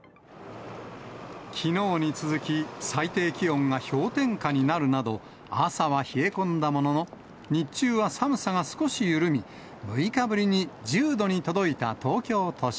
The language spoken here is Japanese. きのうに続き、最低気温が氷点下になるなど、朝は冷え込んだものの、日中は寒さが少し緩み、６日ぶりに１０度に届いた東京都心。